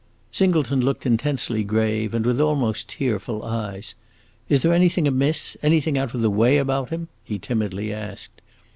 Singleton looked intensely grave, and, with almost tearful eyes, "Is there anything amiss anything out of the way, about him?" he timidly asked.